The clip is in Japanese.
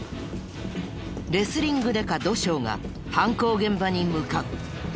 レスリングデカ土性が犯行現場に向かう。